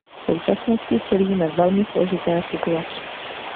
V současnosti čelíme velmi složité situaci.